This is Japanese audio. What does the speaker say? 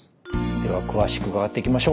では詳しく伺っていきましょう。